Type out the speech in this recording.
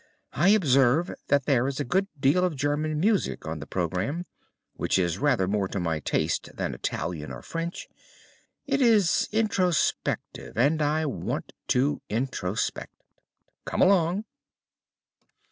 I observe that there is a good deal of German music on the programme, which is rather more to my taste than Italian or French. It is introspective, and I want to introspect. Come along!"